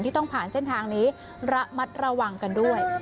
ต้องผ่านเส้นทางนี้ระมัดระวังกันด้วย